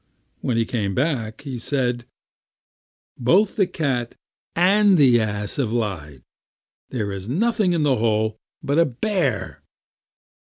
When he came back, he said: "Both the cat and the ass have lied; there was nothing in the hole but a bear."